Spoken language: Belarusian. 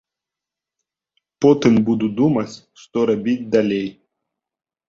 Потым буду думаць, што рабіць далей.